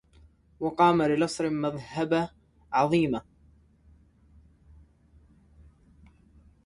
وقام لنصر مذهبه عظيما